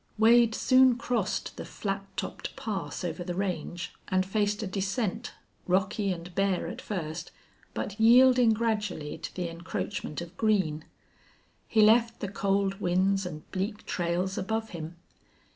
Wade soon crossed the flat topped pass over the range and faced a descent, rocky and bare at first, but yielding gradually to the encroachment of green. He left the cold winds and bleak trails above him.